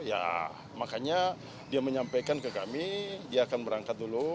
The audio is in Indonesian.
ya makanya dia menyampaikan ke kami dia akan berangkat dulu